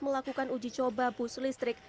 melakukan uji coba bus listrik